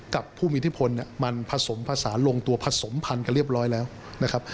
กับผู้มีอิทธิพลเนี่ยมันผสมผสานลงตัวผสมพันธุ์กันเรียบร้อยแล้วนะครับ